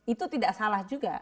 itu tidak salah juga